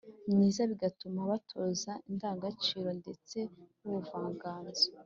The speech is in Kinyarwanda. myiza, bigatuma abatoza indangagaciro ndetse n’ubuvanganzo